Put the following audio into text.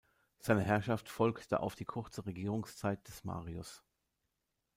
Seine Herrschaft folgte auf die kurze Regierungszeit des Marius.